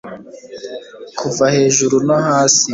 kuva hejuru no hasi